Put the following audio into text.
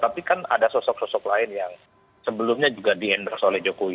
tapi kan ada sosok sosok lain yang sebelumnya juga di endorse oleh jokowi